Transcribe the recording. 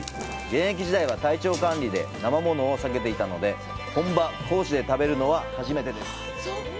現役時代は体調管理で生ものを避けていたので、本場・高知で食べるのは初めてです。